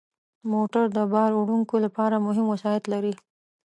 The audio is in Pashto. موټر د بار وړونکو لپاره مهم وسایط لري.